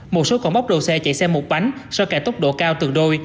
một số còn bóc đồ xe chạy xe một bánh so với kẻ tốc độ cao từ đôi